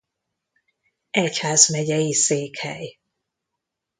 Egyházmegyei székhely.